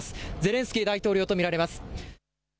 ゼレンスキー大統領と見られます。